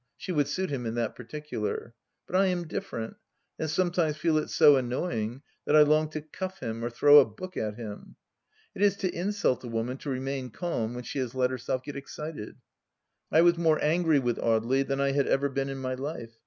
She would suit him in that particular. But I am different, and sometimes feel it so annoying that I long to cuff him or throw a book at him. It is to insult a woman to remain calm when she has let her self get excited. I was more angry with Audely than I had ever been in my life.